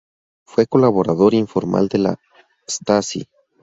Fue colaborador informal de la Stasi.